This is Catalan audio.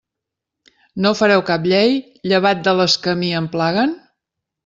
No fareu cap llei llevat de les que a mi em plaguen?